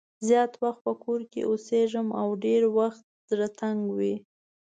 زیات وخت په کور کې اوسېږم او ډېری وخت زړه تنګ وي.